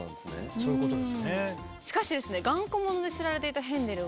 そういうことですね。